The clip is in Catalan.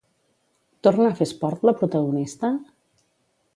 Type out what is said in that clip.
Torna a fer esport la protagonista?